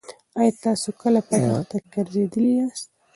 ایا تاسې کله په دښته کې ګرځېدلي یاست؟